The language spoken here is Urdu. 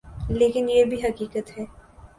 لیکن یہ بھی حقیقت ہے۔